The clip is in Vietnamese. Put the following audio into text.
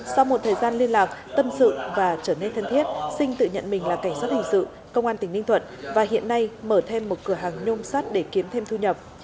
sau một thời gian liên lạc tâm sự và trở nên thân thiết sinh tự nhận mình là cảnh sát hình sự công an tỉnh ninh thuận và hiện nay mở thêm một cửa hàng nhôm sát để kiếm thêm thu nhập